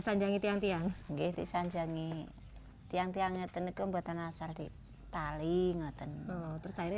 sanjangi tiang tiang gede sanjangi tiang tiangnya tenaga buatan asal di tali ngaten terus akhirnya